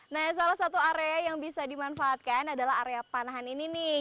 nah salah satu area yang bisa dimanfaatkan adalah area panahan ini nih